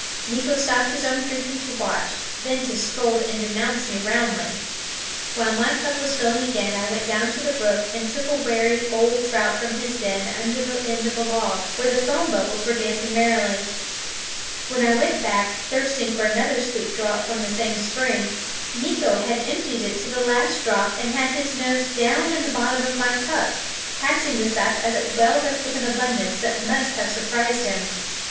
Meeko stopped his own drinking to watch, then to scold and denounce me roundly. While my cup was filling again I went down to the brook and took a wary old trout from his den under the end of a log, where the foam bubbles were dancing merrily. When I went back, thirsting for another sweet draught from the same spring, Meeko had emptied it to the last drop and had his nose down in the bottom of my cup, catching the sap as it welled up with an abundance that must have surprised him.